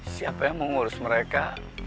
siapa yang mau ngurus mereka